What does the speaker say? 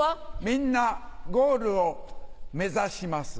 みんなゴールをメザシます。